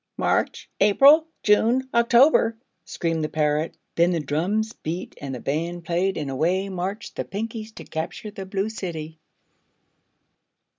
"March April June October!" screamed the parrot. Then the drums beat and the band played and away marched the Pinkies to capture the Blue City.